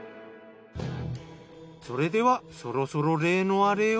それではそろそろ例のアレを。